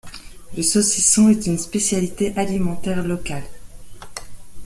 Le saucisson est une spécialité alimentaire locale.